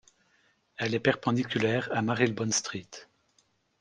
Elle est perpendiculaire à Marylebone Street.